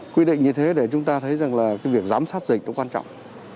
quy định như thế để chúng ta thấy rằng việc giám sát dịch cũng quan trọng